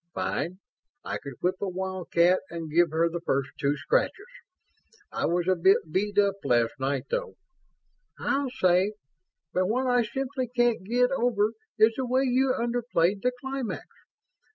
"Fine. I could whip a wildcat and give her the first two scratches. I was a bit beat up last night, though." "I'll say ... but what I simply can't get over is the way you underplayed the climax.